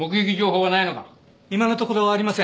今のところありません。